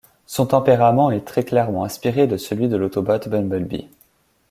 Son tempérament est très clairement inspiré de celui de l'autobot Bumblebee.